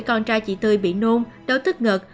con trai chị tươi bị nôn đau tức ngợt